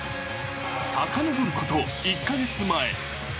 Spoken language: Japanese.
［さかのぼること１カ月前］